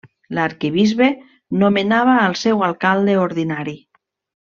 L'Arquebisbe nomenava el seu Alcalde Ordinari.